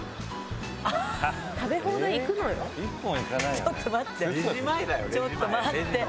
ちょっと待って。